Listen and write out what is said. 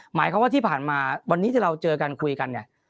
หมายความว่าที่ผ่านมาวันนี้ที่เราเจอกันคุยกันเนี่ย